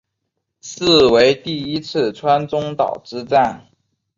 是为第一次川中岛之战。